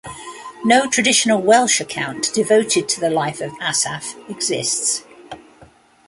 No traditional Welsh account devoted to the life of Asaph exists.